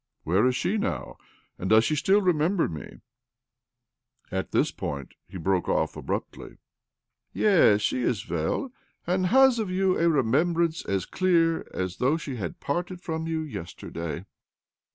" Where is she now, and does she still remember' me ?" At this point he broke off abruptly. " Yes, she is well, and has of you a remembrance as clear as though she had parted from you yesterday.